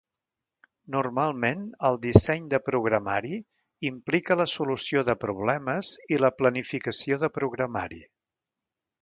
Normalment el disseny de programari implica la solució de problemes i la planificació de programari.